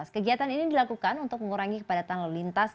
kegiatan ini dilakukan untuk mengurangi kepadatan lalu lintas